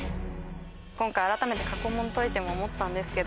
今回改めて過去問解いても思ったんですけど。